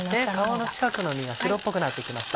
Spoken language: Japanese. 皮の近くの身が白っぽくなってきました。